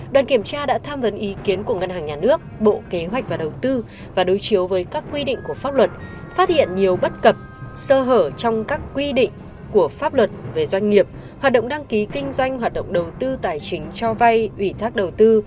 đoàn kiểm tra đã tham vấn ý kiến của ngân hàng nhà nước bộ kế hoạch và đầu tư và đối chiếu với các quy định của pháp luật phát hiện nhiều bất cập sơ hở trong các quy định của pháp luật về doanh nghiệp hoạt động đăng ký kinh doanh hoạt động đầu tư tài chính cho vay ủy thác đầu tư